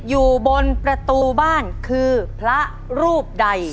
อยู่บนประตูบ้านคือพระรูปใด